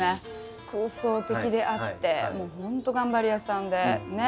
空想的であってもう本当頑張り屋さんでね。